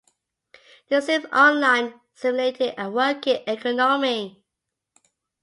The Sims Online simulated a working economy.